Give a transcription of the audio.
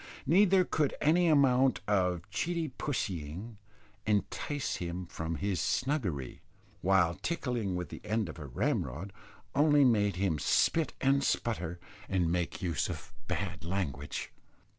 Neither could any amount of "cheety pussying" entice him from his snuggery, while tickling with the end of a ramrod only made him spit and sputter, and make use of bad language.